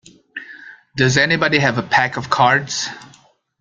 Does anybody have a pack of cards?